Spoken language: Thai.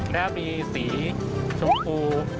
แล้วมีสีชมพู